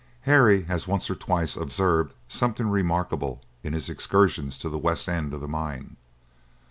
Harry had once or twice observed something remarkable in his excursions to the west end of the mine.